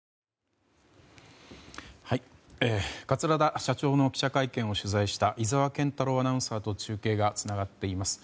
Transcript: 桂田社長の記者会見を取材した井澤健太朗アナウンサーと中継がつながっています。